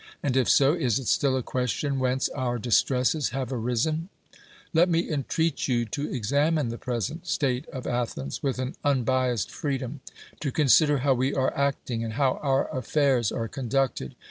And if so, is it still a question whence our distresses have arisen ? Let me entreat you to examine the present state of Athens with an unbiased freedom; to consider how we are acting, and how our affairs are conducted.